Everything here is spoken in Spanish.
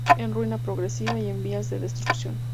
En ruina progresiva y en vías de destrucción.